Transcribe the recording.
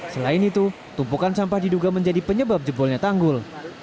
selain itu tumpukan sampah diduga menjadi penyebab jebolnya tanggul